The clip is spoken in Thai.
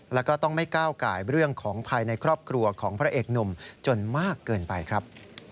แล้วก็ต้องไม่ก้าวไก่เรื่องของภายในครอบครัวของพระเอกหนุ่มจนมากเกินไปครับ